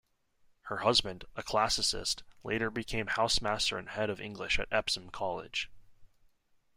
Her husband, a classicist, later became housemaster and head of English at Epsom College.